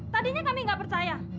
tadinya kami nggak percaya